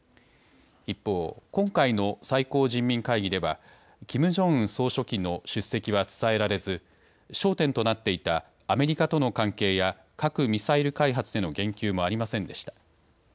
一方、今回の最高人民会議ではキム・ジョンウン総書記の出席は伝えられず焦点となっていたアメリカとの関係や核・ミサイル開発への言及もありませんでした。